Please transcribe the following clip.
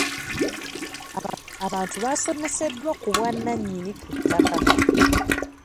Abantu baasomeseddwa ku bwannannyini ku ttaka.